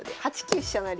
８九飛車成。